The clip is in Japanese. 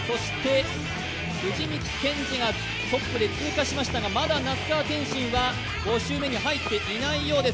藤光謙司がトップで通過しましたがまだ那須川天心は５周目に入っていないようです。